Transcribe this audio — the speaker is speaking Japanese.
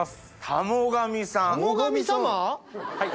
田母神さま？